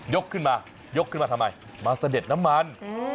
ขึ้นมายกขึ้นมาทำไมมาเสด็จน้ำมัน